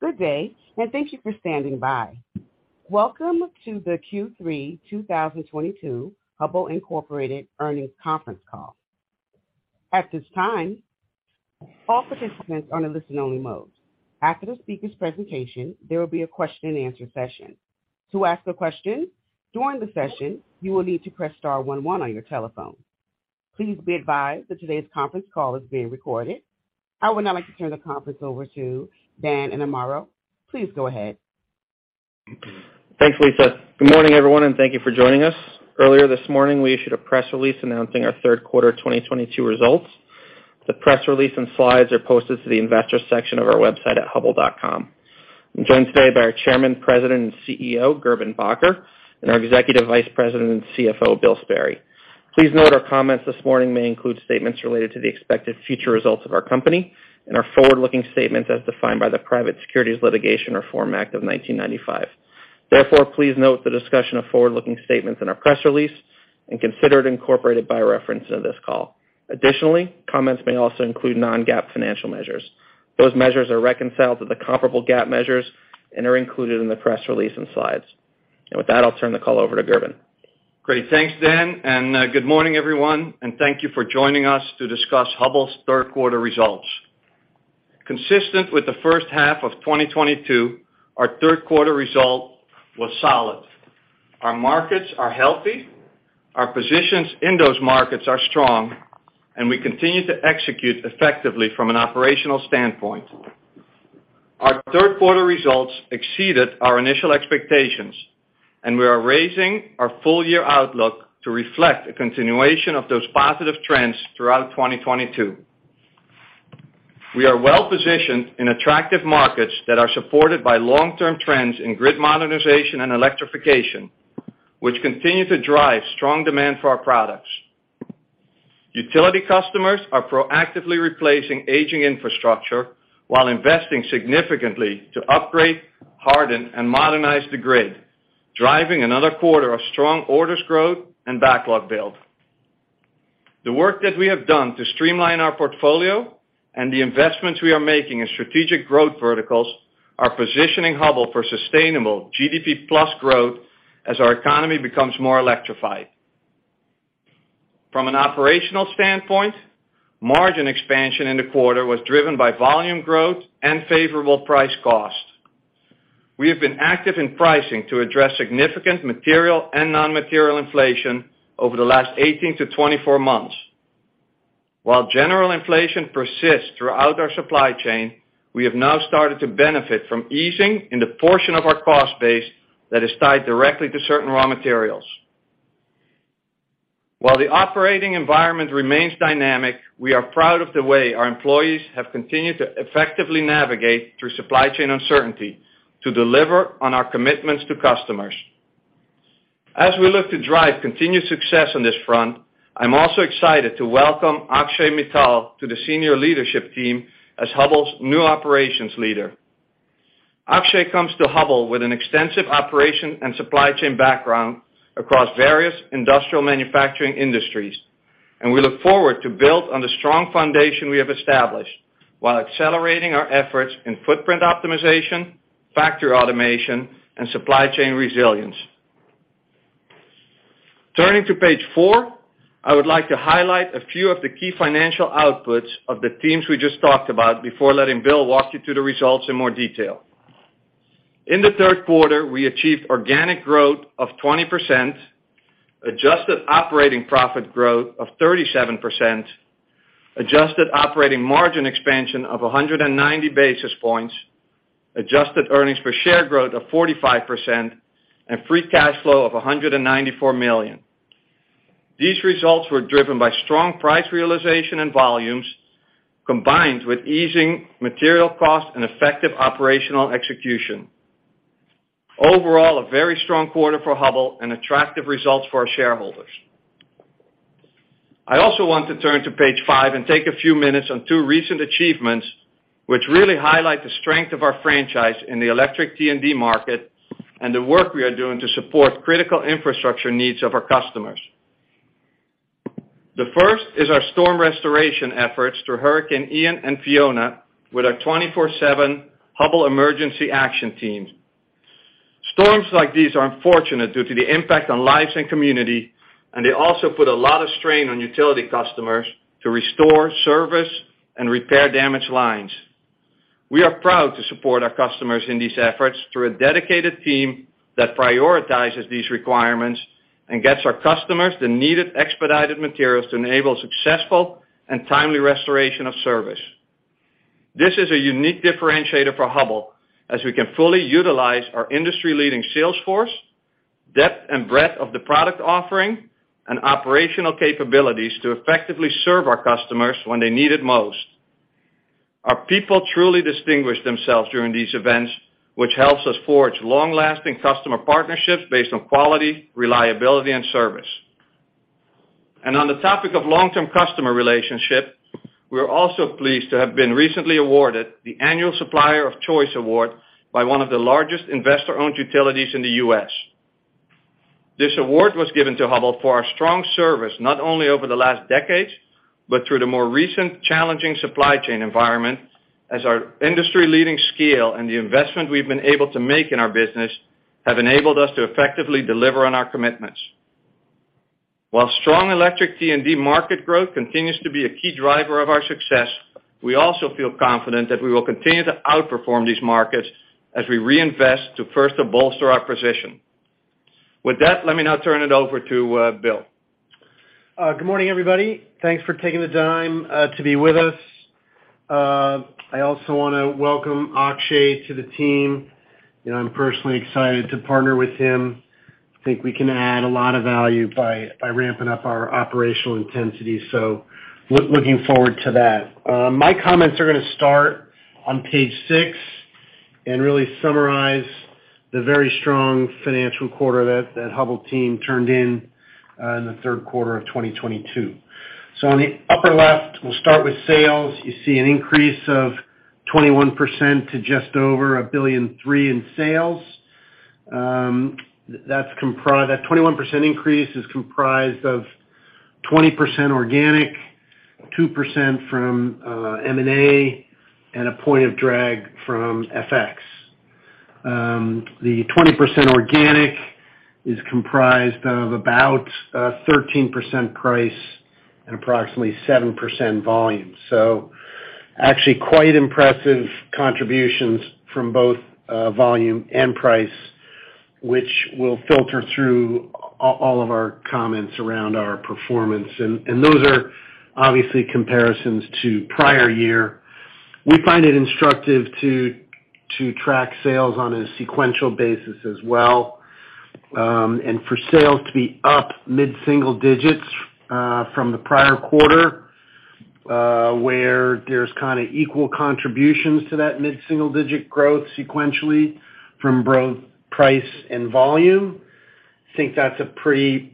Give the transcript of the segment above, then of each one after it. Good day, and thank you for standing by. Welcome to the Q3 2022 Hubbell Incorporated earnings conference call. At this time, all participants are in listen only mode. After the speaker's presentation, there will be a question and answer session. To ask a question during the session, you will need to press star one one on your telephone. Please be advised that today's conference call is being recorded. I would now like to turn the conference over to Dan Innamorato. Please go ahead. Thanks, Lisa. Good morning, everyone, and thank you for joining us. Earlier this morning, we issued a press release announcing our third quarter 2022 results. The press release and slides are posted to the investor section of our website at hubbell.com. I'm joined today by our Chairman, President and CEO, Gerben Bakker, and our Executive Vice President and CFO, Bill Sperry. Please note our comments this morning may include statements related to the expected future results of our company and are forward-looking statements as defined by the Private Securities Litigation Reform Act of 1995. Therefore, please note the discussion of forward-looking statements in our press release and consider it incorporated by reference in this call. Additionally, comments may also include non-GAAP financial measures. Those measures are reconciled to the comparable GAAP measures and are included in the press release and slides. With that, I'll turn the call over to Gerben. Great. Thanks, Dan. Good morning everyone, and thank you for joining us to discuss Hubbell's third quarter results. Consistent with the first half of 2022, our third quarter result was solid. Our markets are healthy, our positions in those markets are strong, and we continue to execute effectively from an operational standpoint. Our third quarter results exceeded our initial expectations, and we are raising our full year outlook to reflect a continuation of those positive trends throughout 2022. We are well-positioned in attractive markets that are supported by long-term trends in grid modernization and electrification, which continue to drive strong demand for our products. Utility customers are proactively replacing aging infrastructure while investing significantly to upgrade, harden, and modernize the grid, driving another quarter of strong orders growth and backlog build. The work that we have done to streamline our portfolio and the investments we are making in strategic growth verticals are positioning Hubbell for sustainable GDP plus growth as our economy becomes more electrified. From an operational standpoint, margin expansion in the quarter was driven by volume growth and favorable price-cost. We have been active in pricing to address significant material and non-material inflation over the last 18-24 months. While general inflation persists throughout our supply chain, we have now started to benefit from easing in the portion of our cost base that is tied directly to certain raw materials. While the operating environment remains dynamic, we are proud of the way our employees have continued to effectively navigate through supply chain uncertainty to deliver on our commitments to customers. As we look to drive continued success on this front, I'm also excited to welcome Akshay Mittal to the senior leadership team as Hubbell's new operations leader. Akshay comes to Hubbell with an extensive operation and supply chain background across various industrial manufacturing industries, and we look forward to build on the strong foundation we have established while accelerating our efforts in footprint optimization, factory automation, and supply chain resilience. Turning to page four, I would like to highlight a few of the key financial outputs of the themes we just talked about before letting Bill walk you through the results in more detail. In the third quarter, we achieved organic growth of 20%, adjusted operating profit growth of 37%, adjusted operating margin expansion of 190 basis points, adjusted earnings per share growth of 45%, and free cash flow of $194 million. These results were driven by strong price realization and volumes, combined with easing material costs and effective operational execution. Overall, a very strong quarter for Hubbell and attractive results for our shareholders. I also want to turn to page five and take a few minutes on two recent achievements which really highlight the strength of our franchise in the electric T&D market and the work we are doing to support critical infrastructure needs of our customers. The first is our storm restoration efforts through Hurricane Ian and Fiona with our 24/7 Hubbell Emergency Action Team. Storms like these are unfortunate due to the impact on lives and community, and they also put a lot of strain on utility customers to restore service and repair damaged lines. We are proud to support our customers in these efforts through a dedicated team that prioritizes these requirements and gets our customers the needed expedited materials to enable successful and timely restoration of service. This is a unique differentiator for Hubbell, as we can fully utilize our industry-leading sales force, depth and breadth of the product offering, and operational capabilities to effectively serve our customers when they need it most. Our people truly distinguish themselves during these events, which helps us forge long-lasting customer partnerships based on quality, reliability, and service. On the topic of long-term customer relationship, we are also pleased to have been recently awarded the annual Supplier of Choice award by one of the largest investor-owned utilities in the U.S. This award was given to Hubbell for our strong service, not only over the last decades, but through the more recent challenging supply chain environment as our industry-leading scale and the investment we've been able to make in our business have enabled us to effectively deliver on our commitments. While strong electric T&D market growth continues to be a key driver of our success, we also feel confident that we will continue to outperform these markets as we reinvest to first bolster our position. With that, let me now turn it over to Bill. Good morning, everybody. Thanks for taking the time to be with us. I also wanna welcome Akshay to the team. You know, I'm personally excited to partner with him. I think we can add a lot of value by ramping up our operational intensity, looking forward to that. My comments are gonna start on page six and really summarize the very strong financial quarter that Hubbell team turned in in the third quarter of 2022. On the upper left, we'll start with sales. You see an increase of 21% to just over $1.003 billion in sales. That 21% increase is comprised of 20% organic, 2% from M&A, and a point of drag from FX. The 20% organic is comprised of about 13% price and approximately 7% volume. Actually quite impressive contributions from both volume and price, which will filter through all of our comments around our performance. Those are obviously comparisons to prior year. We find it instructive to track sales on a sequential basis as well. For sales to be up mid-single digits from the prior quarter, where there's kinda equal contributions to that mid-single digit growth sequentially from both price and volume, think that's a pretty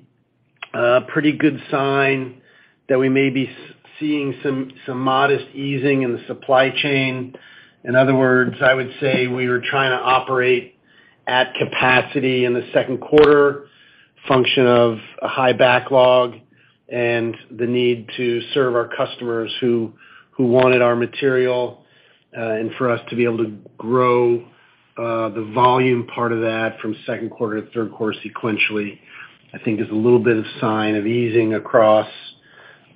good sign that we may be seeing some modest easing in the supply chain. In other words, I would say we were trying to operate at capacity in the second quarter, function of a high backlog and the need to serve our customers who wanted our material, and for us to be able to grow the volume part of that from second quarter to third quarter sequentially. I think is a little bit of sign of easing across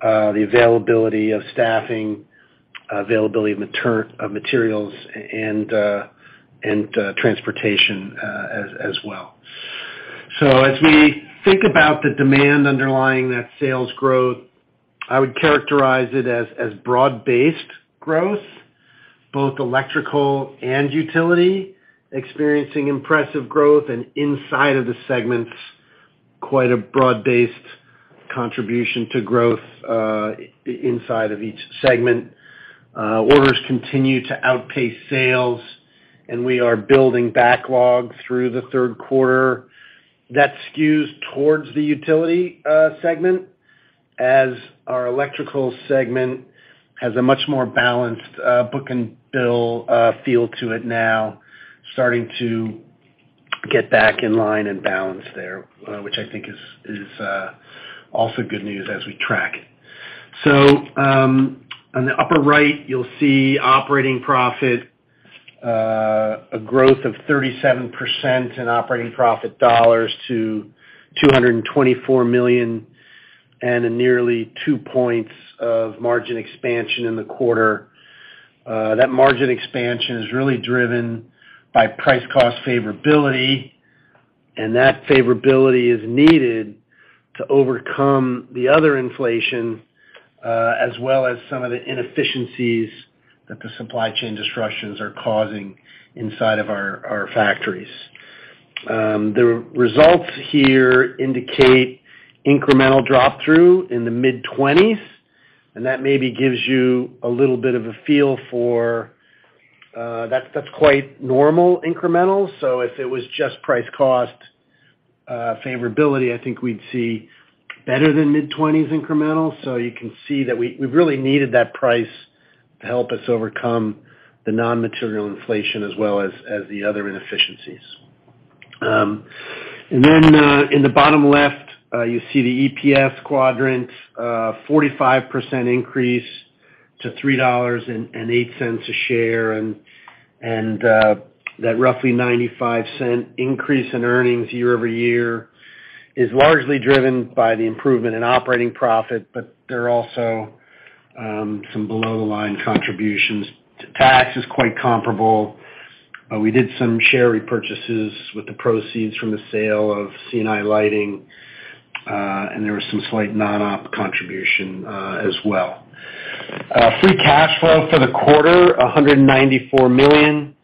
the availability of staffing, availability of materials and transportation as well. As we think about the demand underlying that sales growth, I would characterize it as broad-based growth, both electrical and utility, experiencing impressive growth, and inside of the segments, quite a broad-based contribution to growth inside of each segment. Orders continue to outpace sales, and we are building backlog through the third quarter. That skews towards the utility segment as our electrical segment has a much more balanced book-and-bill feel to it now, starting to get back in line and balance there, which I think is also good news as we track it. On the upper right, you'll see operating profit, a growth of 37% in operating profit dollars to $224 million and nearly 2 points of margin expansion in the quarter. That margin expansion is really driven by price-cost favorability, and that favorability is needed to overcome the other inflation as well as some of the inefficiencies that the supply chain disruptions are causing inside of our factories. The results here indicate incremental drop-through in the mid-20s, and that maybe gives you a little bit of a feel for that's quite normal incremental. If it was just price-cost favorability, I think we'd see better than mid-20s incremental. You can see that we really needed that price to help us overcome the non-material inflation as well as the other inefficiencies. In the bottom left, you see the EPS quadrant, 45% increase to $3.08 a share, and that roughly $0.95 increase in earnings year-over-year is largely driven by the improvement in operating profit, but there are also some below the line contributions. Tax is quite comparable. We did some share repurchases with the proceeds from the sale of C&I Lighting, and there was some slight non-op contribution, as well. Free cash flow for the quarter, $194 million.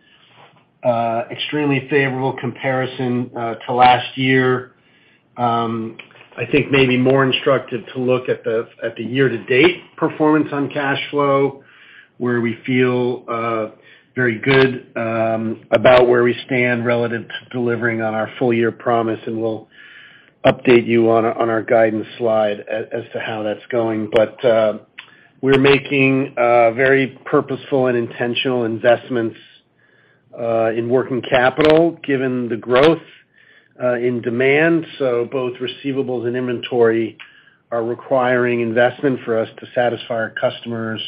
Extremely favorable comparison to last year. I think maybe more instructive to look at the year-to-date performance on cash flow, where we feel very good about where we stand relative to delivering on our full-year promise, and we'll update you on our guidance slide as to how that's going. We're making very purposeful and intentional investments in working capital, given the growth in demand, so both receivables and inventory are requiring investment for us to satisfy our customers.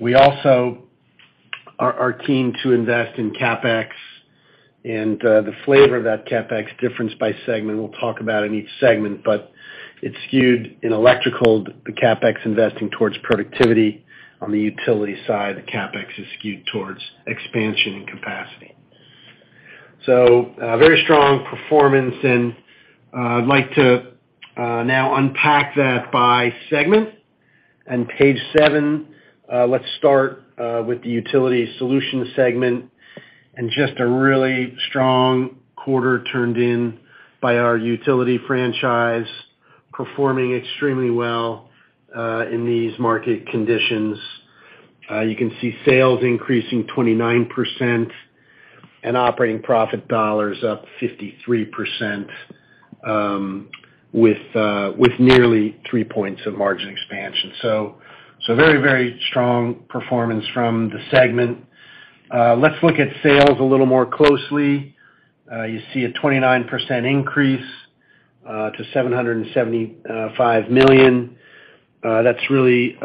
We also are keen to invest in CapEx, and the flavor of that CapEx difference by segment, we'll talk about in each segment. It's skewed in Electrical, the CapEx investing towards productivity. On the Utility side, the CapEx is skewed towards expansion and capacity. Very strong performance, and I'd like to now unpack that by segment. On page seven, let's start with the Utility Solutions segment, and just a really strong quarter turned in by our Utility franchise, performing extremely well in these market conditions. You can see sales increasing 29% and operating profit dollars up 53%, with nearly three points of margin expansion. Very strong performance from the segment. Let's look at sales a little more closely. You see a 29% increase to $775 million. That's really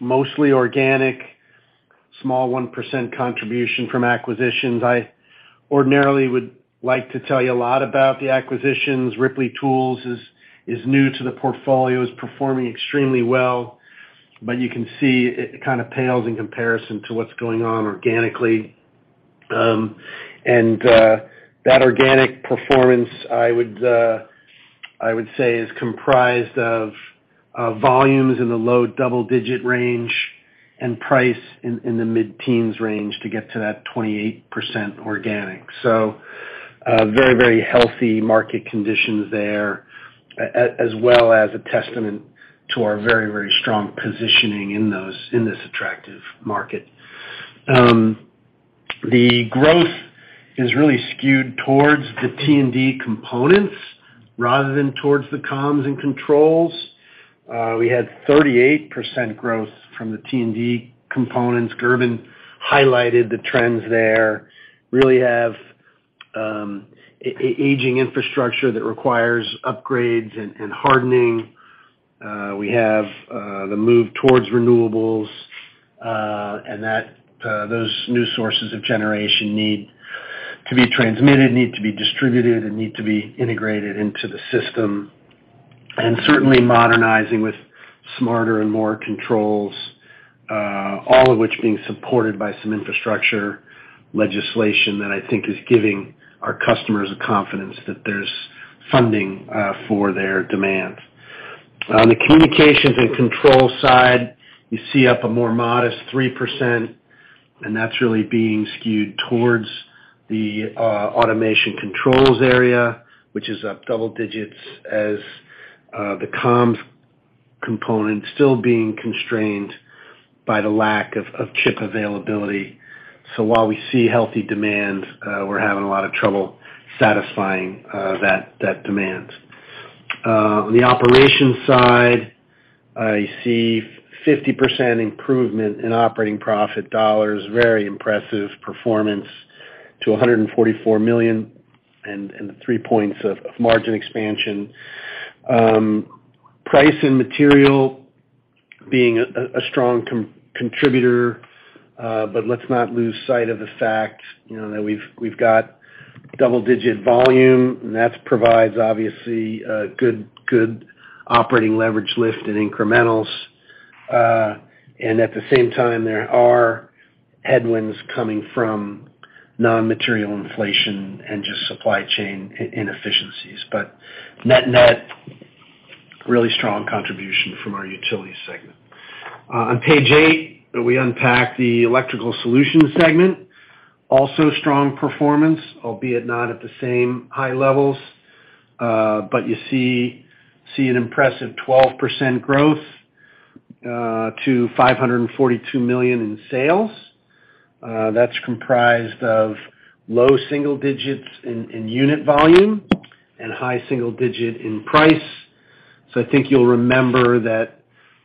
mostly organic, small 1% contribution from acquisitions. I ordinarily would like to tell you a lot about the acquisitions. Ripley Tools is new to the portfolio, is performing extremely well, but you can see it kind of pales in comparison to what's going on organically. That organic performance, I would say, is comprised of volumes in the low double-digit range and price in the mid-teens range to get to that 28% organic. Very, very healthy market conditions there, as well as a testament to our very, very strong positioning in this attractive market. The growth is really skewed towards the T&D components rather than towards the comms and controls. We had 38% growth from the T&D components. Gerben highlighted the trends there. We really have aging infrastructure that requires upgrades and hardening. We have the move towards renewables, and those new sources of generation need to be transmitted, need to be distributed, and need to be integrated into the system. Certainly modernizing with smarter and more controls, all of which being supported by some infrastructure legislation that I think is giving our customers the confidence that there's funding for their demands. On the communications and controls side, you see up a more modest 3%, and that's really being skewed towards the automation controls area, which is up double digits as the comms component still being constrained by the lack of chip availability. While we see healthy demand, we're having a lot of trouble satisfying that demand. On the operations side, I see 50% improvement in operating profit dollars. Very impressive performance to $144 million and the 3 points of margin expansion. Price and material being a strong contributor, but let's not lose sight of the fact, you know, that we've got double-digit volume, and that provides obviously good operating leverage lift in incrementals. And at the same time, there are headwinds coming from non-material inflation and just supply chain inefficiencies. Net-net, really strong contribution from our utility segment. On page eight, we unpack the electrical solutions segment. Also strong performance, albeit not at the same high levels. You see an impressive 12% growth to $542 million in sales. That's comprised of low single digits in unit volume and high single digit in price. I think you'll remember that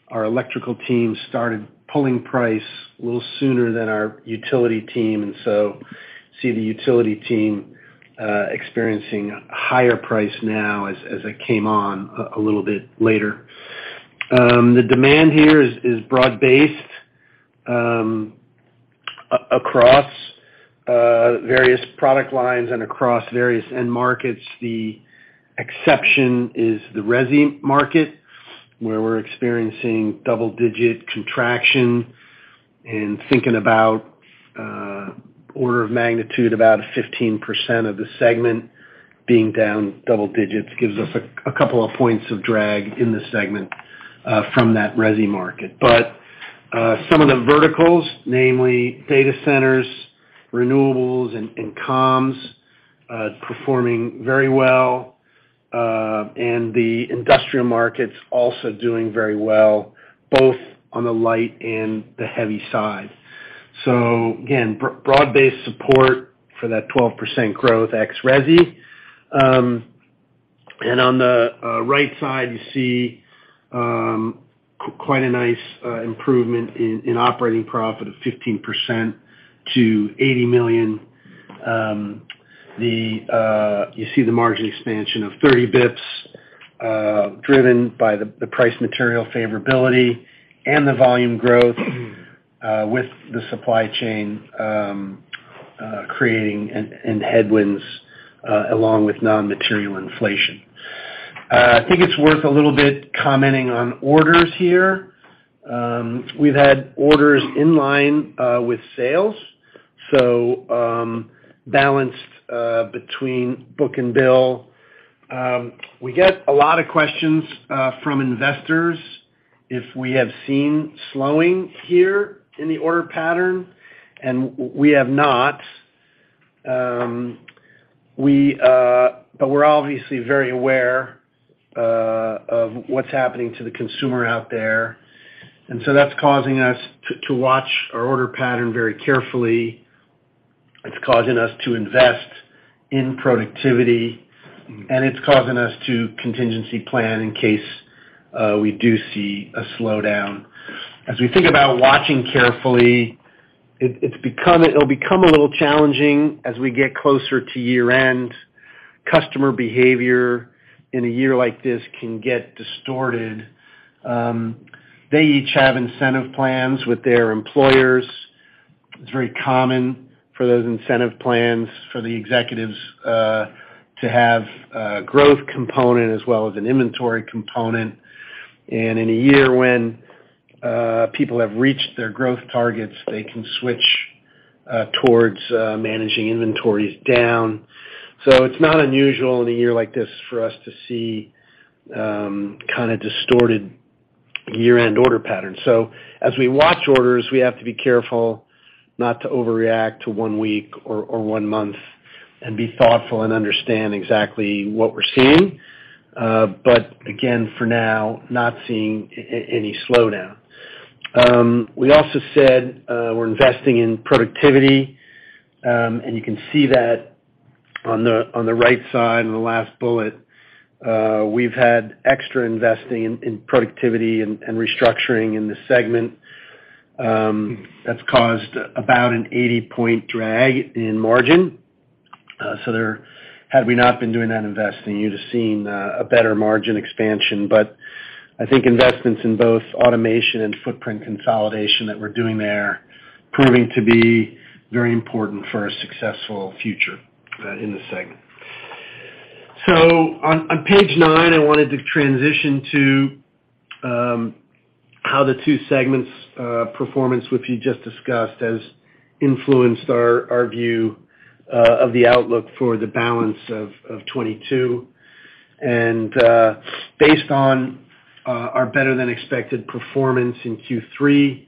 our electrical team started pulling price a little sooner than our utility team, and the utility team experiencing higher price now as it came on a little bit later. The demand here is broad-based across various product lines and across various end markets. The exception is the resi market, where we're experiencing double-digit contraction and thinking about order of magnitude, about 15% of the segment being down double digits gives us a couple of points of drag in the segment from that resi market. Some of the verticals, namely data centers, renewables, and comms, performing very well. The industrial markets also doing very well, both on the light and the heavy side. Again, broad-based support for that 12% growth ex resi. On the right side, you see quite a nice improvement in operating profit of 15% to $80 million. You see the margin expansion of 30 basis points, driven by the price material favorability and the volume growth, with the supply chain creating headwinds, along with non-material inflation. I think it's worth a little bit commenting on orders here. We've had orders in line with sales, balanced between book and bill. We get a lot of questions from investors if we have seen slowing here in the order pattern, and we have not. We're obviously very aware of what's happening to the consumer out there, and so that's causing us to watch our order pattern very carefully. It's causing us to invest in productivity, and it's causing us to contingency plan in case we do see a slowdown. As we think about watching carefully, it'll become a little challenging as we get closer to year-end. Customer behavior in a year like this can get distorted. They each have incentive plans with their employers. It's very common for those incentive plans for the executives to have a growth component as well as an inventory component. In a year when people have reached their growth targets, they can switch towards managing inventories down. It's not unusual in a year like this for us to see kind of distorted year-end order patterns. As we watch orders, we have to be careful not to overreact to one week or one month and be thoughtful and understand exactly what we're seeing. Again, for now, not seeing any slowdown. We also said we're investing in productivity and you can see that on the right side in the last bullet. We've had extra investing in productivity and restructuring in this segment. That's caused about an 80-point drag in margin. Had we not been doing that investing, you'd have seen a better margin expansion. I think investments in both automation and footprint consolidation that we're doing there proving to be very important for a successful future in this segment. On page nine, I wanted to transition to how the two segments' performance, which we just discussed, has influenced our view of the outlook for the balance of 2022. Based on our better-than-expected performance in Q3,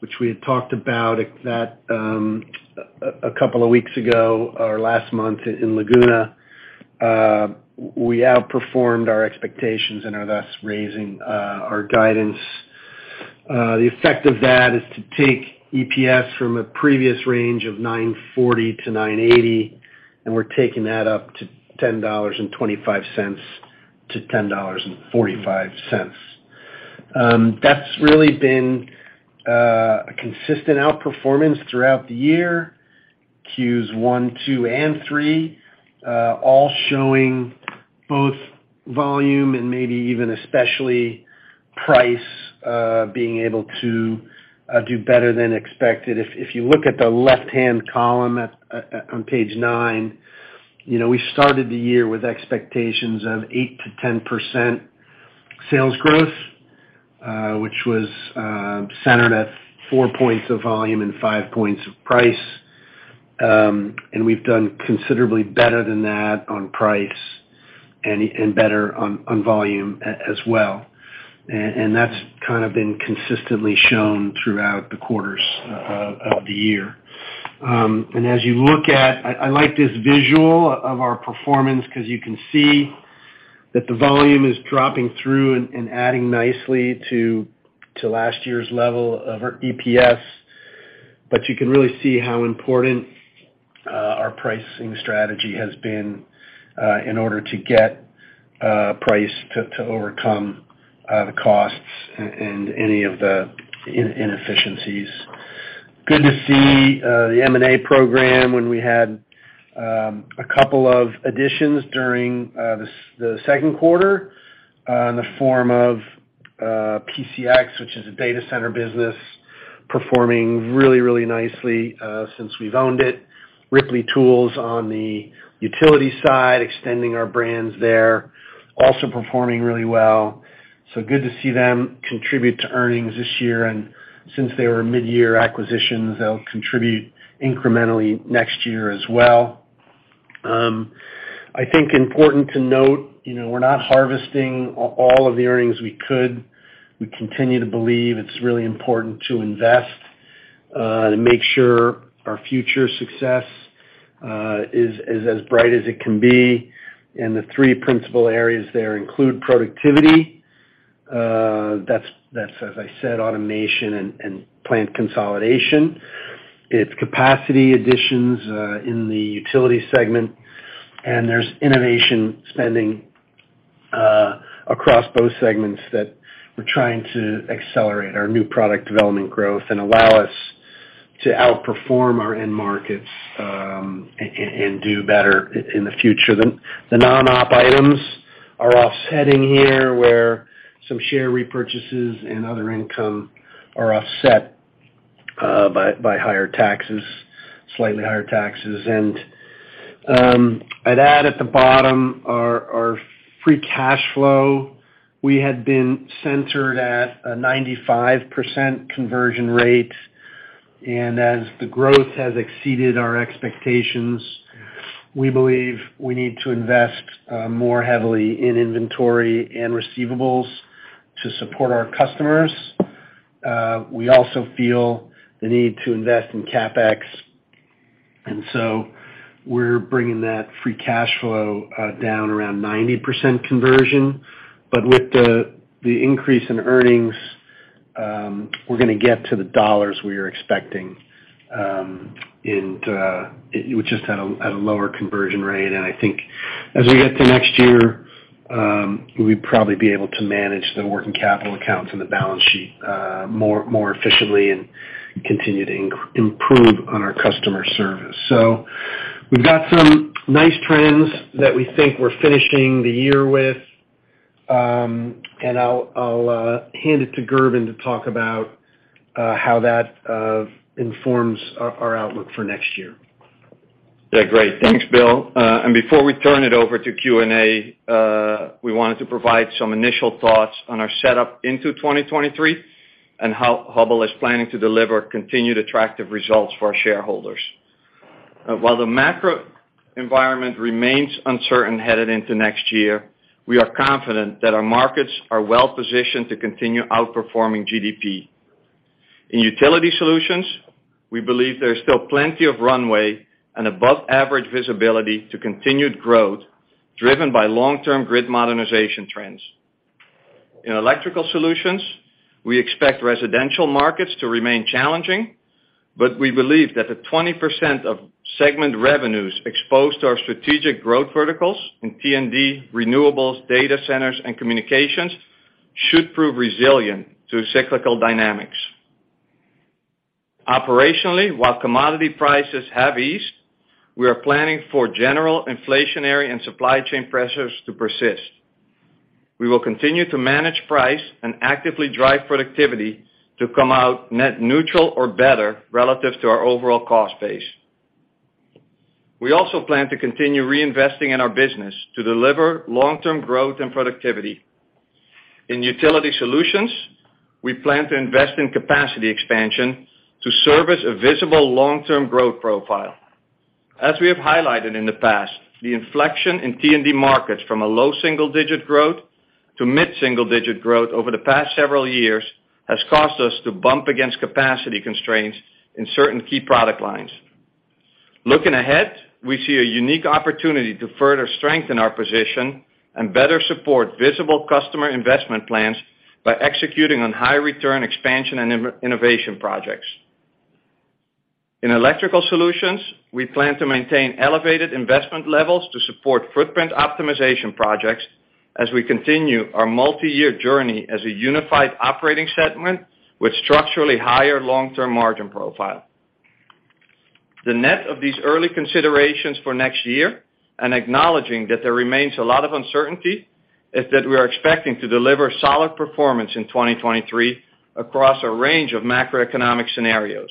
which we had talked about a couple of weeks ago or last month in Laguna, we outperformed our expectations and are thus raising our guidance. The effect of that is to take EPS from a previous range of $9.40-$9.80, and we're taking that up to $10.25-$10.45. That's really been a consistent outperformance throughout the year. Q1, Q2, and Q3 all showing both volume and maybe even especially price being able to do better than expected. If you look at the left-hand column on page nine, you know, we started the year with expectations of 8%-10% sales growth, which was centered at 4 points of volume and 5 points of price. We've done considerably better than that on price and better on volume as well. That's kind of been consistently shown throughout the quarters of the year. As you look at this visual of our performance because you can see that the volume is dropping through and adding nicely to last year's level of our EPS. You can really see how important our pricing strategy has been in order to get pricing to overcome the costs and any of the inefficiencies. Good to see the M&A program when we had a couple of additions during the second quarter in the form of PCX, which is a data center business performing really, really nicely since we've owned it. Ripley Tools on the utility side, extending our brands there, also performing really well. Good to see them contribute to earnings this year, and since they were midyear acquisitions, they'll contribute incrementally next year as well. I think important to note, you know, we're not harvesting all of the earnings we could. We continue to believe it's really important to invest to make sure our future success is as bright as it can be, and the three principal areas there include productivity. That's as I said, automation and plant consolidation. It's capacity additions in the utility segment, and there's innovation spending across both segments that we're trying to accelerate our new product development growth and allow us to outperform our end markets and do better in the future. The non-op items are offsetting here, where some share repurchases and other income are offset by higher taxes, slightly higher taxes. I'd add at the bottom our free cash flow, we had been centered at a 95% conversion rate. As the growth has exceeded our expectations, we believe we need to invest more heavily in inventory and receivables to support our customers. We also feel the need to invest in CapEx, and so we're bringing that free cash flow down around 90% conversion. With the increase in earnings, we're gonna get to the dollars we are expecting. We just had a lower conversion rate. I think as we get to next year, we'd probably be able to manage the working capital accounts and the balance sheet more efficiently and continue to improve on our customer service. We've got some nice trends that we think we're finishing the year with. I'll hand it to Gerben to talk about how that informs our outlook for next year. Yeah. Great. Thanks, Bill. Before we turn it over to Q&A, we wanted to provide some initial thoughts on our setup into 2023 and how Hubbell is planning to deliver continued attractive results for our shareholders. While the macro environment remains uncertain headed into next year, we are confident that our markets are well positioned to continue outperforming GDP. In Utility Solutions, we believe there is still plenty of runway and above average visibility to continued growth, driven by long-term grid modernization trends. In Electrical Solutions, we expect residential markets to remain challenging, but we believe that the 20% of segment revenues exposed to our strategic growth verticals in T&D, renewables, data centers, and communications should prove resilient to cyclical dynamics. Operationally, while commodity prices have eased, we are planning for general inflationary and supply chain pressures to persist. We will continue to manage price and actively drive productivity to come out net neutral or better relative to our overall cost base. We also plan to continue reinvesting in our business to deliver long-term growth and productivity. In Utility Solutions, we plan to invest in capacity expansion to service a visible long-term growth profile. As we have highlighted in the past, the inflection in T&D markets from a low single digit growth to mid single digit growth over the past several years has caused us to bump against capacity constraints in certain key product lines. Looking ahead, we see a unique opportunity to further strengthen our position and better support visible customer investment plans by executing on high return expansion and innovation projects. In Electrical Solutions, we plan to maintain elevated investment levels to support footprint optimization projects as we continue our multi-year journey as a unified operating segment with structurally higher long-term margin profile. The net of these early considerations for next year, and acknowledging that there remains a lot of uncertainty, is that we are expecting to deliver solid performance in 2023 across a range of macroeconomic scenarios.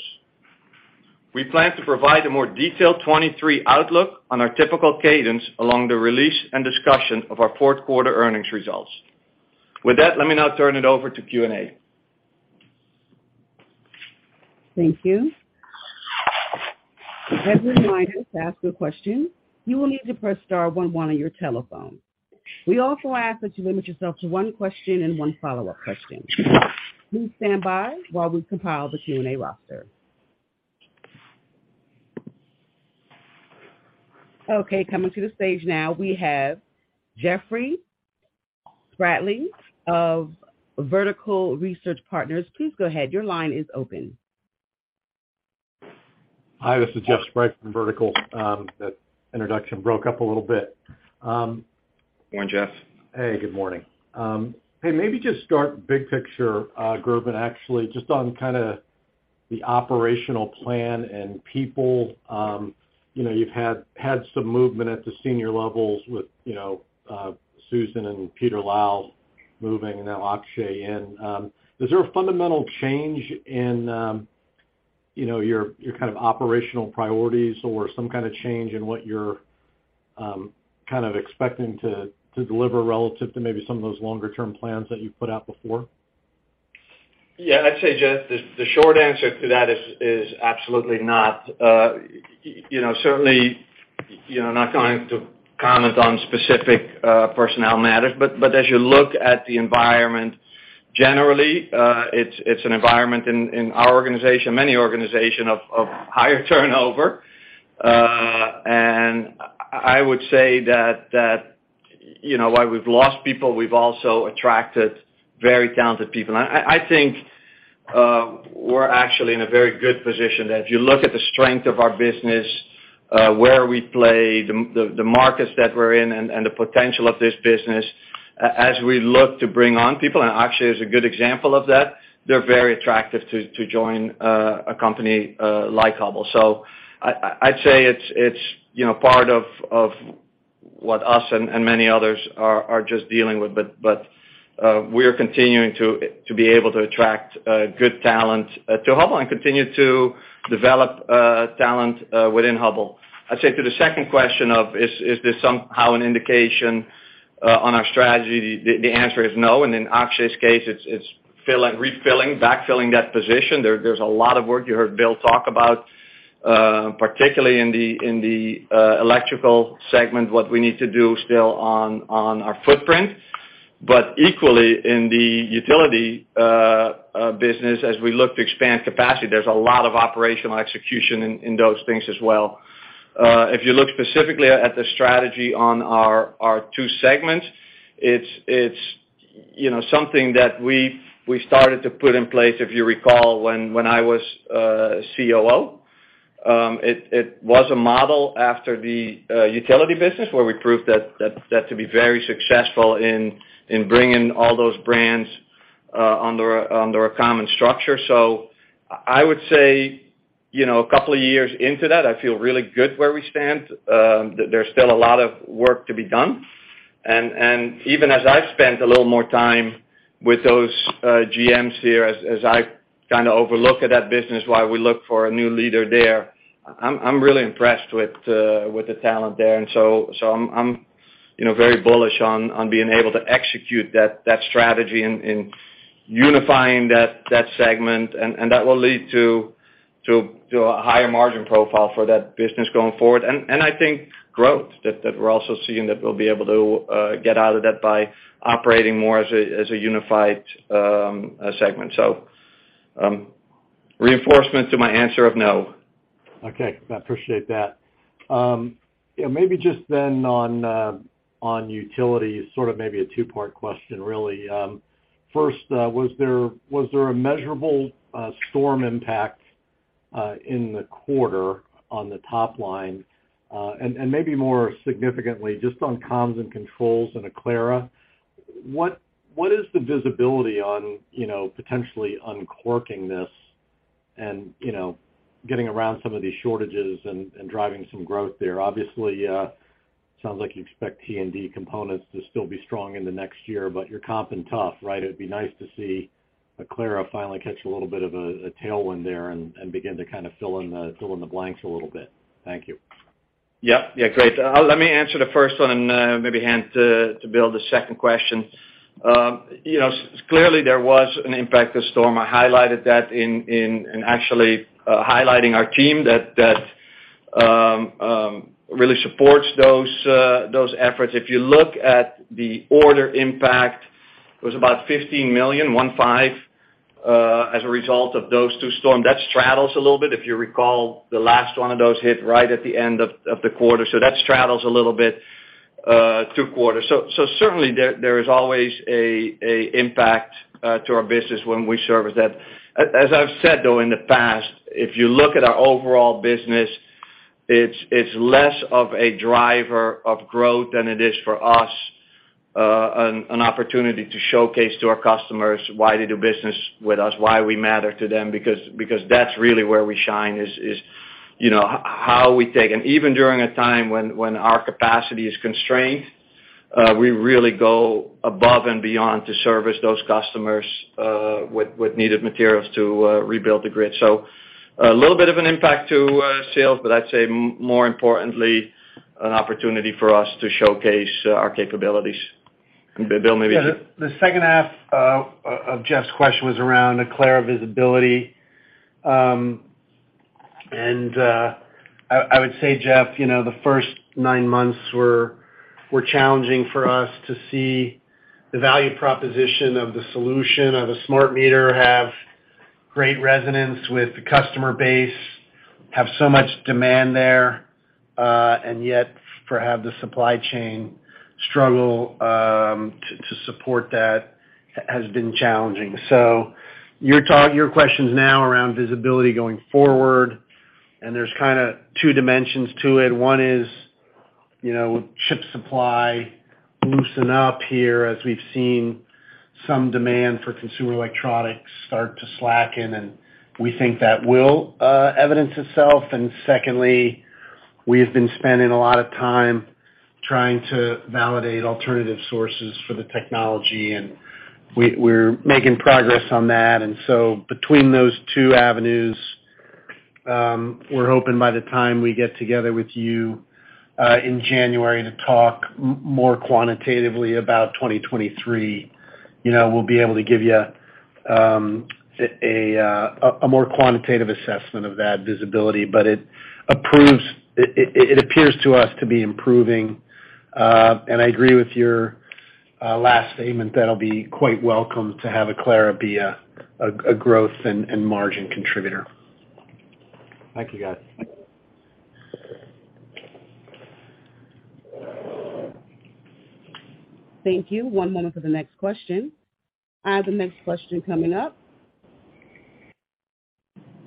We plan to provide a more detailed 2023 outlook on our typical cadence along the release and discussion of our fourth quarter earnings results. With that, let me now turn it over to Q&A. Thank you. As a reminder, to ask a question, you will need to press star one one on your telephone. We also ask that you limit yourself to one question and one follow-up question. Please stand by while we compile the Q&A roster. Okay. Coming to the stage now, we have Jeffrey Sprague of Vertical Research Partners. Please go ahead. Your line is open. Hi, this is Jeff Sprague from Vertical. That introduction broke up a little bit. Morning, Jeff. Hey, good morning. Hey, maybe just start big picture, Gerben, actually, just on kinda the operational plan and people. You know, you've had some movement at the senior levels with, you know, Susan and Peter Lau moving, now Akshay in. Is there a fundamental change in, you know, your kind of operational priorities or some kinda change in what you're kind of expecting to deliver relative to maybe some of those longer term plans that you've put out before? Yeah. I'd say, Jeff, the short answer to that is absolutely not. You know, certainly, you know, not going to comment on specific personnel matters, but as you look at the environment generally, it's an environment in our organization and many organizations of higher turnover, and I would say that, you know, while we've lost people, we've also attracted very talented people. I think we're actually in a very good position that if you look at the strength of our business, where we play, the markets that we're in and the potential of this business, as we look to bring on people, and Akshay is a good example of that, they're very attractive to join a company like Hubbell. I'd say it's, you know, part of what we and many others are just dealing with. We're continuing to be able to attract good talent to Hubbell and continue to develop talent within Hubbell. I'd say to the second question, is this somehow an indication on our strategy? The answer is no. In Akshay's case, it's filling and refilling, backfilling that position. There's a lot of work. You heard Bill talk about, particularly in the electrical segment, what we need to do still on our footprint. Equally, in the utility business, as we look to expand capacity, there's a lot of operational execution in those things as well. If you look specifically at the strategy on our two segments, it's, you know, something that we've started to put in place, if you recall, when I was COO. It was modeled after the utility business, where we proved that to be very successful in bringing all those brands under a common structure. I would say, you know, a couple of years into that, I feel really good where we stand. There's still a lot of work to be done. Even as I've spent a little more time with those GMs here, as I kind of overlook that business while we look for a new leader there, I'm really impressed with the talent there. I'm, you know, very bullish on being able to execute that strategy in unifying that segment. That will lead to a higher margin profile for that business going forward. I think growth that we're also seeing that we'll be able to get out of that by operating more as a unified segment. Reinforcement to my answer of no. Okay. I appreciate that. Yeah, maybe just then on utility, sort of maybe a two-part question, really. First, was there a measurable storm impact in the quarter on the top line? Maybe more significantly, just on comms and controls in Aclara, what is the visibility on, you know, potentially uncorking this and, you know, getting around some of these shortages and driving some growth there? Obviously, sounds like you expect T&D components to still be strong in the next year, but you're comping tough, right? It'd be nice to see Aclara finally catch a little bit of a tailwind there and begin to kind of fill in the blanks a little bit. Thank you. Yeah. Yeah. Great. Let me answer the first one and maybe hand to Bill the second question. You know, clearly there was an impact of storm. I highlighted that in actually highlighting our team that really supports those efforts. If you look at the order impact, it was about $15 million as a result of those two storms. That straddles a little bit. If you recall, the last one of those hit right at the end of the quarter. That straddles a little bit two quarters. Certainly there is always an impact to our business when we service that. As I've said, though, in the past, if you look at our overall business, it's less of a driver of growth than it is for us, an opportunity to showcase to our customers why they do business with us, why we matter to them, because that's really where we shine is you know how we take. Even during a time when our capacity is constrained, we really go above and beyond to service those customers with needed materials to rebuild the grid. So a little bit of an impact to sales, but I'd say more importantly, an opportunity for us to showcase our capabilities. Bill, maybe- Yeah. The second half of Jeff's question was around Aclara visibility. I would say, Jeff, you know, the first nine months were challenging for us to see the value proposition of the solution of a smart meter have great resonance with the customer base, have so much demand there, and yet for have the supply chain struggle to support that has been challenging. Your question's now around visibility going forward, and there's kinda two dimensions to it. One is, you know, chip supply loosen up here as we've seen some demand for consumer electronics start to slacken, and we think that will evidence itself. Secondly, we have been spending a lot of time trying to validate alternative sources for the technology, and we're making progress on that. Between those two avenues, we're hoping by the time we get together with you, in January to talk more quantitatively about 2023, you know, we'll be able to give you a more quantitative assessment of that visibility. It appears to us to be improving. I agree with your last statement. That'll be quite welcome to have Aclara be a growth and margin contributor. Thank you, guys. Thank you. One moment for the next question. I have the next question coming up.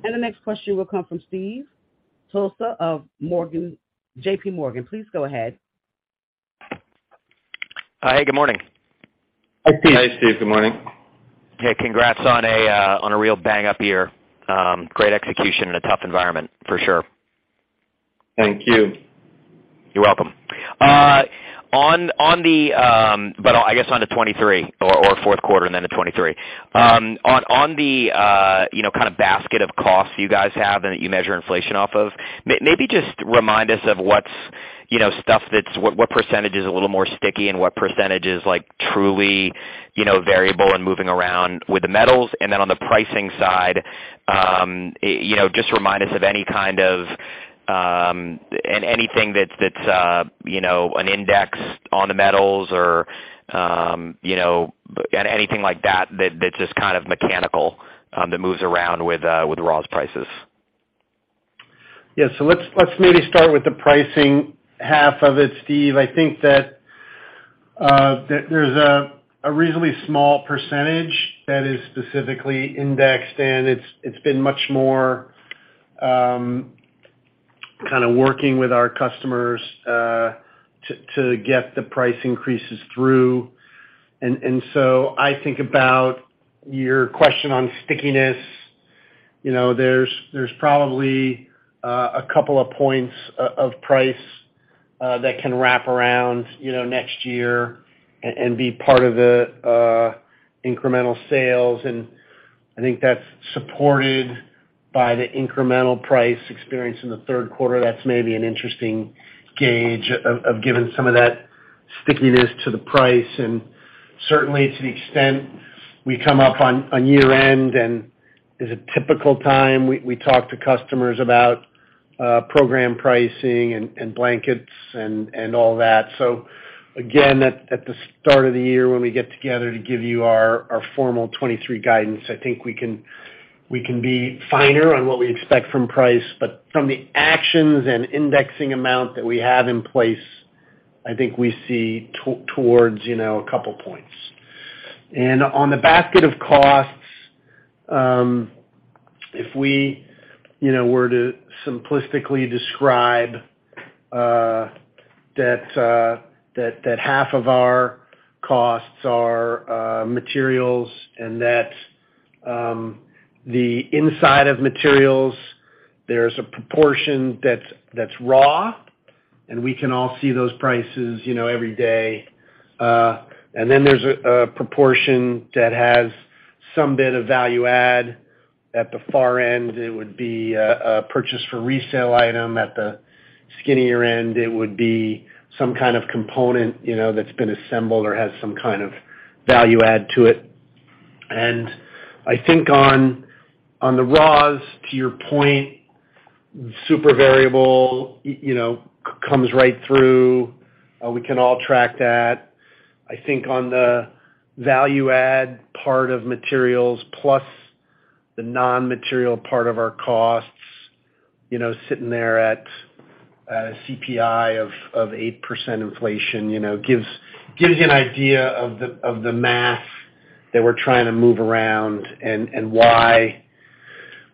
The next question will come from Steve Tusa of JPMorgan. Please go ahead. Hey, good morning. Hi, Steve. Hi, Steve. Good morning. Okay. Congrats on a real bang-up year. Great execution in a tough environment for sure. Thank you. You're welcome. I guess on to 2023 or fourth quarter, and then to 2023. On the you know kind of basket of costs you guys have and that you measure inflation off of, maybe just remind us of what's you know stuff that's what percentage is a little more sticky and what percentage is like truly you know variable and moving around with the metals. On the pricing side you know just remind us of any kind of anything that's you know an index on the metals or you know anything like that that's just kind of mechanical that moves around with the raws prices. Yeah. So let's maybe start with the pricing half of it, Steve. I think that there's a reasonably small percentage that is specifically indexed, and it's been much more kind of working with our customers to get the price increases through. I think about your question on stickiness, you know, there's probably a couple of points of price that can wrap around, you know, next year and be part of the incremental sales. I think that's supported by the incremental price experience in the third quarter. That's maybe an interesting gauge of giving some of that stickiness to the price. Certainly to the extent we come up on year-end and it's a typical time we talk to customers about program pricing and blankets and all that. Again, at the start of the year when we get together to give you our formal 2023 guidance, I think we can be finer on what we expect from price. But from the actions and indexing amount that we have in place, I think we see towards, you know, a couple points. On the basket of costs, if we were to simplistically describe that half of our costs are materials and that inside of materials, there's a proportion that's raw, and we can all see those prices, you know, every day. Then there's a proportion that has some bit of value add. At the far end, it would be a purchase for resale item. At the skinnier end, it would be some kind of component, you know, that's been assembled or has some kind of value add to it. I think on the raws, to your point, super variable, you know, comes right through. We can all track that. I think on the value add part of materials plus the non-material part of our costs, you know, sitting there at a CPI of 8% inflation, you know, gives you an idea of the math that we're trying to move around and why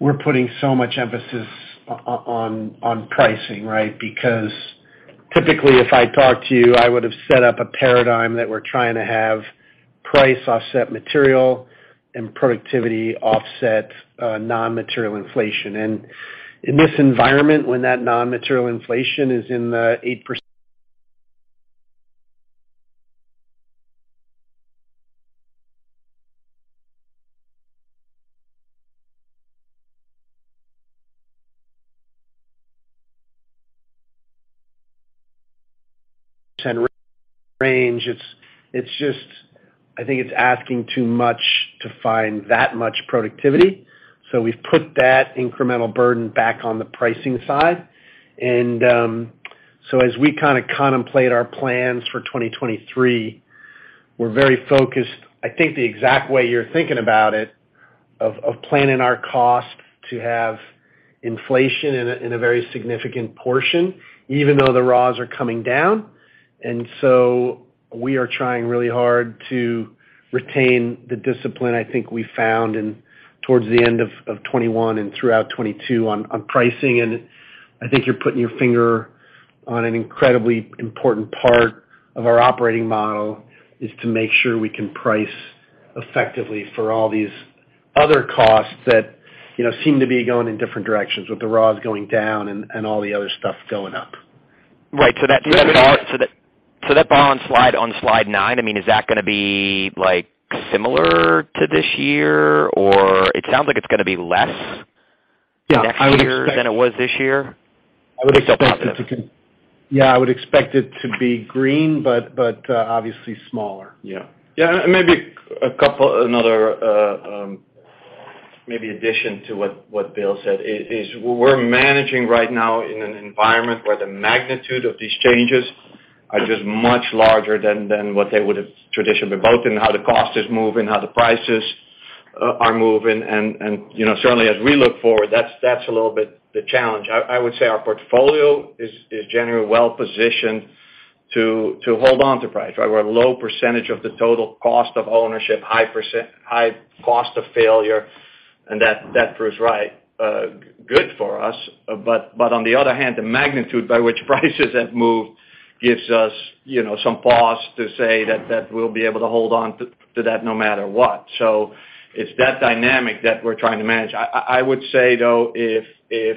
we're putting so much emphasis on pricing, right? Because typically, if I talk to you, I would have set up a paradigm that we're trying to have price offset material and productivity offset non-material inflation. In this environment, when that non-material inflation is in the 8% range, it's just, I think it's asking too much to find that much productivity. We've put that incremental burden back on the pricing side. As we kind of contemplate our plans for 2023, we're very focused, I think, the exact way you're thinking about it, of planning our costs to have inflation in a very significant portion, even though the raws are coming down. We are trying really hard to retain the discipline I think we found and towards the end of 2021 and throughout 2022 on pricing. I think you're putting your finger on an incredibly important part of our operating model, is to make sure we can price effectively for all these other costs that, you know, seem to be going in different directions with the raws going down and all the other stuff going up. Right. That bar on slide nine, I mean, is that gonna be, like, similar to this year? Or it sounds like it's gonna be less- Yeah, I would expect. next year than it was this year. I would expect it to be. It's all positive. Yeah, I would expect it to be green, but obviously smaller. Yeah. Yeah. Maybe another In addition to what Bill said, we're managing right now in an environment where the magnitude of these changes is just much larger than what they would have traditionally, both in how the cost is moving, how the prices are moving. You know, certainly as we look forward, that's a little bit the challenge. I would say our portfolio is generally well-positioned to hold on to price. Right? We're a low percentage of the total cost of ownership, high percentage-high cost of failure, and that proves right, good for us. On the other hand, the magnitude by which prices have moved gives us, you know, some pause to say that we'll be able to hold on to that no matter what. It's that dynamic that we're trying to manage. I would say, though, if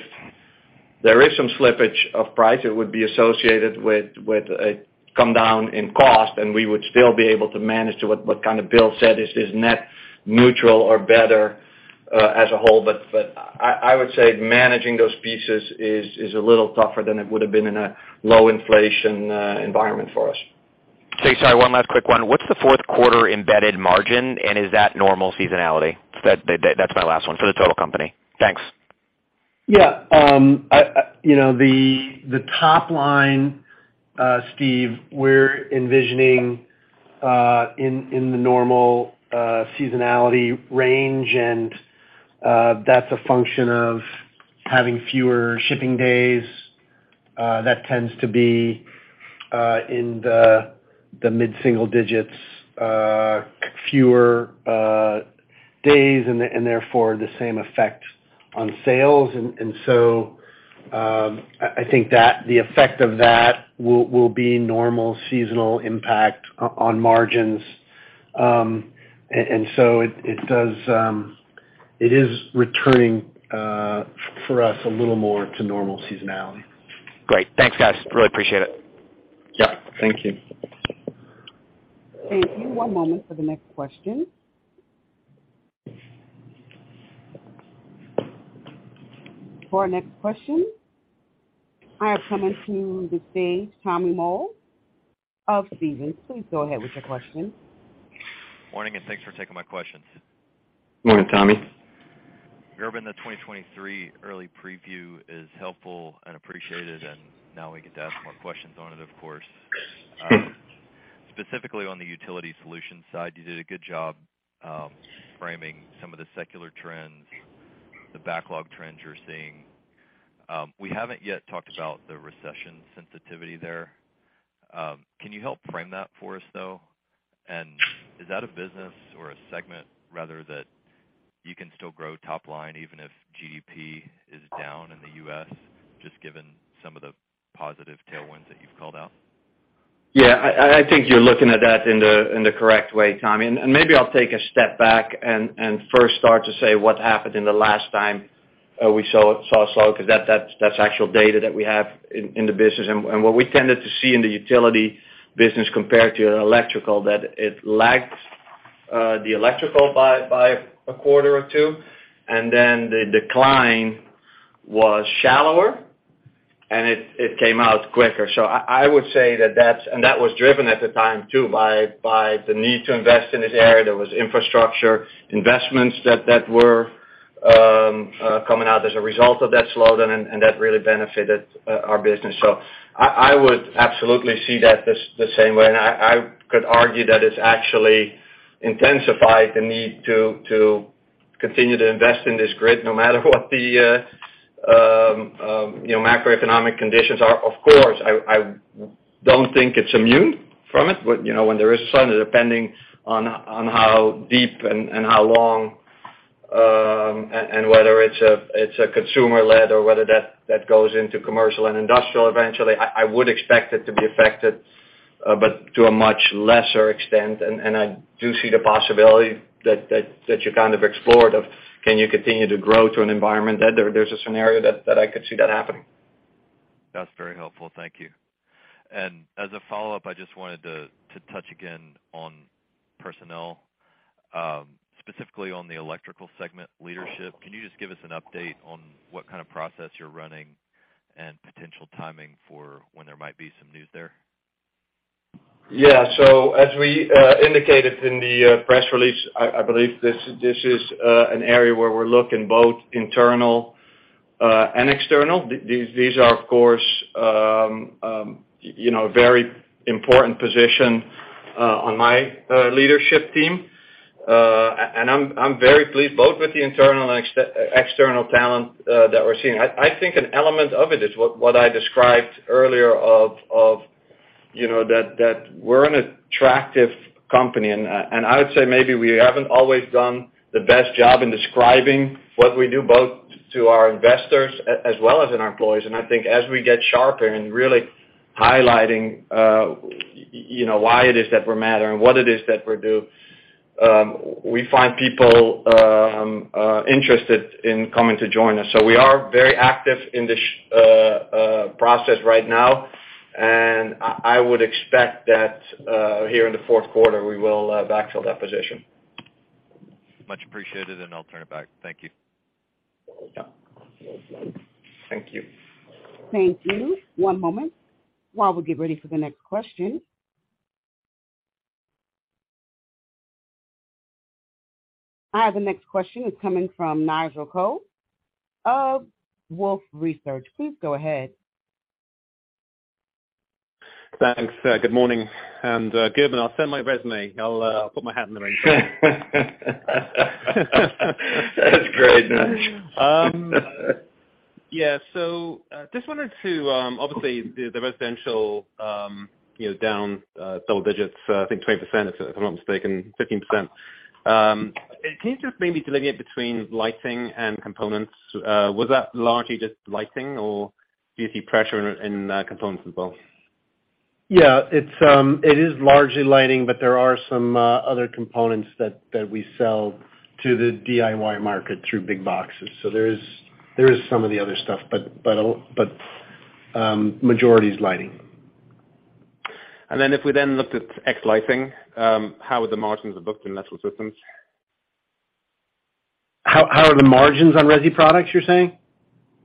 there is some slippage of price, it would be associated with a come down in cost, and we would still be able to manage to what Bill said is net neutral or better, as a whole. I would say managing those pieces is a little tougher than it would have been in a low inflation environment for us. Sorry, one last quick one. What's the fourth quarter embedded margin, and is that normal seasonality? That's my last one. For the total company. Thanks. Yeah. You know, the top line, Steve, we're envisioning in the normal seasonality range, and that's a function of having fewer shipping days. That tends to be in the mid-single digits, fewer days and therefore the same effect on sales. I think that the effect of that will be normal seasonal impact on margins. It is returning for us a little more to normal seasonality. Great. Thanks, guys. Really appreciate it. Yeah. Thank you. Thank you. One moment for the next question. For our next question, I have Tommy Moll of Stephens. Please go ahead with your question. Morning and thanks for taking my questions. Morning, Tommy. Gerben, the 2023 early preview is helpful and appreciated, and now we get to ask more questions on it, of course. Specifically on the Utility Solutions side, you did a good job, framing some of the secular trends, the backlog trends you're seeing. We haven't yet talked about the recession sensitivity there. Can you help frame that for us, though? Is that a business or a segment rather that you can still grow top line, even if GDP is down in the U.S., just given some of the positive tailwinds that you've called out? Yeah. I think you're looking at that in the correct way, Tommy. Maybe I'll take a step back and first start to say what happened in the last time we saw slowdown because that's actual data that we have in the business. What we tended to see in the utility business compared to electrical that it lagged the electrical by a quarter or two. Then the decline was shallower, and it came out quicker. I would say that that's. That was driven at the time too by the need to invest in this area. There was infrastructure investments that were coming out as a result of that slowdown, and that really benefited our business. I would absolutely see it the same way. I could argue that it's actually intensified the need to continue to invest in this grid no matter what the you know, macroeconomic conditions are. Of course, I don't think it's immune from it. You know, when there is one, depending on how deep and how long, and whether it's consumer-led or whether that goes into commercial and industrial eventually, I would expect it to be affected, but to a much lesser extent. I do see the possibility that you kind of explored of can you continue to grow in an environment where there's a scenario that I could see that happening. That's very helpful. Thank you. As a follow-up, I just wanted to touch again on personnel, specifically on the electrical segment leadership. Can you just give us an update on what kind of process you're running and potential timing for when there might be some news there? As we indicated in the press release, I believe this is an area where we're looking both internal and external. These are, of course, you know, very important position on my leadership team. I'm very pleased both with the internal and external talent that we're seeing. I think an element of it is what I described earlier of you know that we're an attractive company and I would say maybe we haven't always done the best job in describing what we do both to our investors as well as in our employees. I think as we get sharper and really highlighting, you know, why it is that we matter and what it is that we do, we find people interested in coming to join us. We are very active in this process right now. I would expect that here in the fourth quarter, we will backfill that position. Much appreciated, and I'll turn it back. Thank you. Yeah. Thank you. Thank you. One moment while we get ready for the next question. I have the next question. It's coming from Nigel Coe of Wolfe Research. Please go ahead. Thanks. Good morning. Gerben, and I'll send my resume. I'll put my hat in the ring. That's great, Nigel. Yeah. Just wanted to. Obviously the residential, you know, down double digits, I think 20%, if I'm not mistaken, 15%. Can you just maybe delineate between lighting and components? Was that largely just lighting or do you see pressure in components as well? Yeah. It is largely lighting, but there are some other components that we sell to the DIY market through big boxes. There is some of the other stuff, but majority's lighting. If we looked at ex lighting, how would the margins be booked in Electrical Solutions? How are the margins on resi products, you're saying?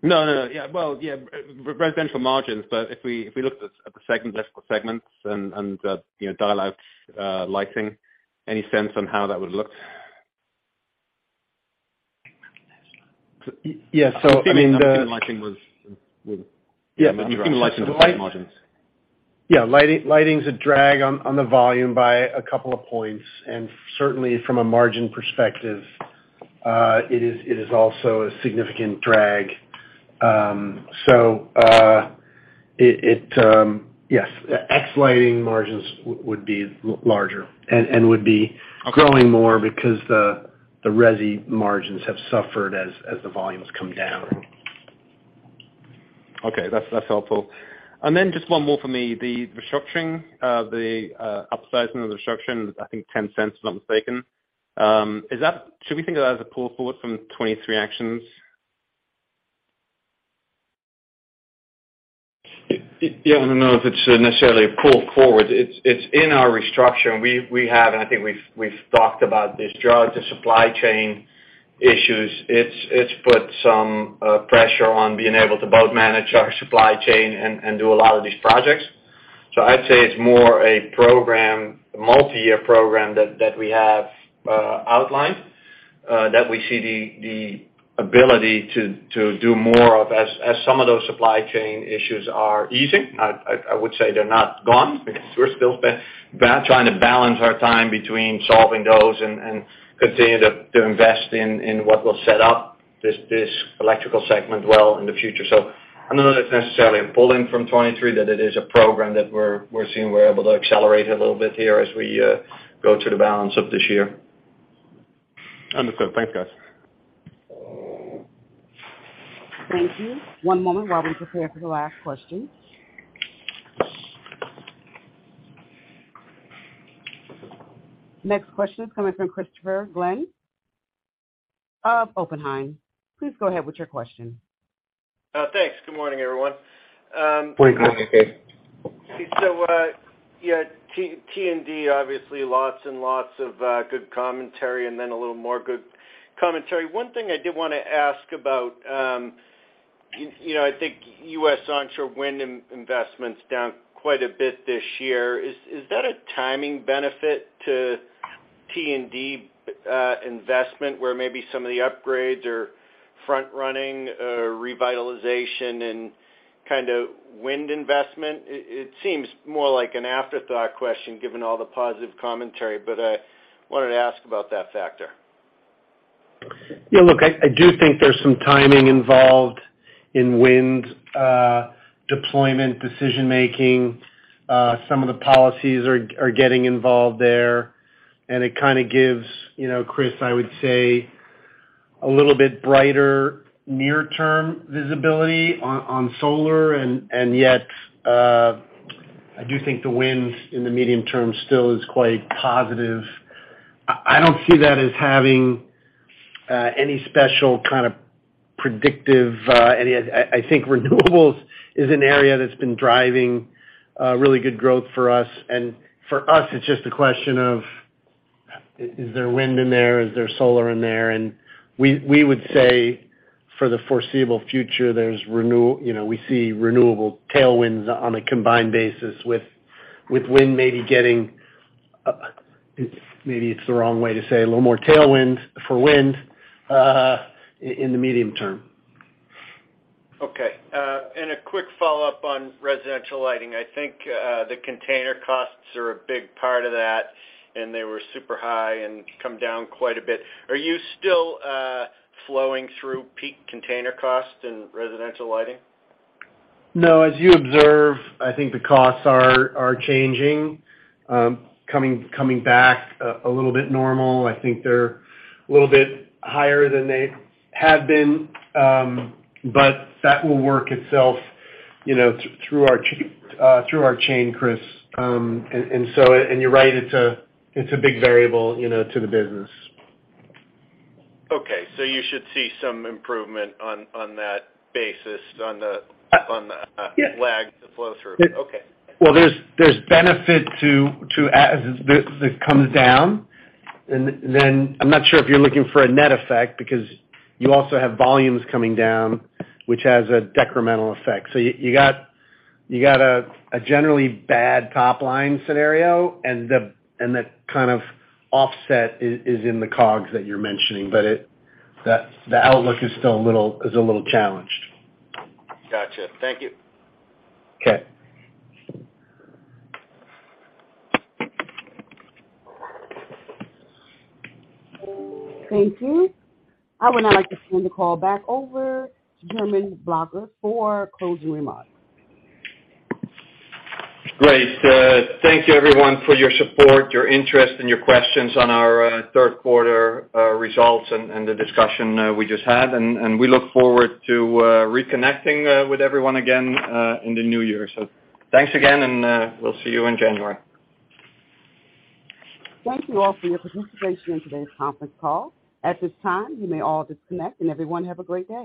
No, no. Yeah. Well, yeah, residential margins, but if we looked at the Electrical Solutions segment and you know dial out lighting, any sense on how that would look? Yeah. I mean, I'm thinking lighting was margins. Yeah. Lighting's a drag on the volume by a couple of points. Certainly from a margin perspective, it is also a significant drag. Yes. Ex lighting margins would be larger and would be Okay. growing more because the resi margins have suffered as the volumes come down. Okay. That's helpful. Then just one more for me. The upsizing of the restructuring, I think $0.10, if I'm not mistaken, should we think of that as a pull forward from 2023 actions? Yeah. I don't know if it's necessarily a pull forward. It's in our restructure. I think we've talked about this drive to supply chain issues. It's put some pressure on being able to both manage our supply chain and do a lot of these projects. I'd say it's more a program, a multi-year program that we have outlined that we see the ability to do more of as some of those supply chain issues are easing. I would say they're not gone because we're still trying to balance our time between solving those and continue to invest in what will set up this Electrical segment well in the future. I don't know if it's necessarily a pull-in from 2023, that it is a program that we're seeing we're able to accelerate a little bit here as we go to the balance of this year. Understood. Thanks, guys. Thank you. One moment while we prepare for the last question. Next question is coming from Christopher Glynn of Oppenheimer. Please go ahead with your question. Thanks. Good morning, everyone. Good morning, Chris. T&D, obviously, lots and lots of good commentary and then a little more good commentary. One thing I did wanna ask about, you know, I think U.S. onshore wind investments down quite a bit this year. Is that a timing benefit to T&D investment, where maybe some of the upgrades or front-running revitalization and kinda wind investment? It seems more like an afterthought question given all the positive commentary, but I wanted to ask about that factor. Yeah. Look, I do think there's some timing involved in wind deployment, decision-making. Some of the policies are getting involved there, and it kinda gives, you know, Chris, I would say a little bit brighter near-term visibility on solar. Yet, I do think the winds in the medium term still is quite positive. I don't see that as having any special kind of predictive. I think renewables is an area that's been driving really good growth for us. For us, it's just a question of is there wind in there, is there solar in there? We would say for the foreseeable future, you know, we see renewable tailwinds on a combined basis with wind maybe getting. Maybe it's the wrong way to say. A little more tailwind for wind, in the medium term. Okay. A quick follow-up on residential lighting. I think, the container costs are a big part of that, and they were super high and come down quite a bit. Are you still, flowing through peak container costs in residential lighting? No. As you observe, I think the costs are changing, coming back a little bit to normal. I think they're a little bit higher than they have been. That will work itself, you know, through our chain, Chris. You're right, it's a big variable, you know, to the business. You should see some improvement on that basis. Yeah. lag to flow through. Okay. Well, there's benefit as that comes down. I'm not sure if you're looking for a net effect because you also have volumes coming down, which has a decremental effect. You got a generally bad top line scenario, and the kind of offset is in the COGS that you're mentioning. That the outlook is still a little challenged. Gotcha. Thank you. Okay. Thank you. I would now like to turn the call back over to Gerben Bakker for closing remarks. Great. Thank you everyone for your support, your interest, and your questions on our third quarter results and the discussion we just had. We look forward to reconnecting with everyone again in the new year. Thanks again, and we'll see you in January. Thank you all for your participation in today's conference call. At this time, you may all disconnect. Everyone, have a great day.